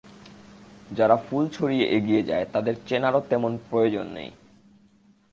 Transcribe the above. যারা ফুল ছড়িয়ে এগিয়ে যায় তাদের চেনারও তেমন প্রয়োজন নেই।